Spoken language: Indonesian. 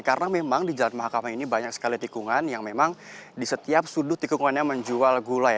karena memang di jalan mahakam ini banyak sekali tikungan yang memang di setiap sudut tikungannya menjual gulai